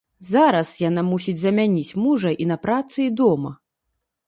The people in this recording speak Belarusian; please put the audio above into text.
Зараз яна мусіць замяніць мужа і на працы, і дома.